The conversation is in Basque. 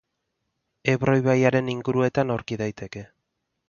Ebro ibaiaren inguruetan aurki daiteke.